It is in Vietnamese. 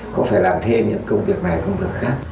cũng phải làm thêm những công việc này công việc khác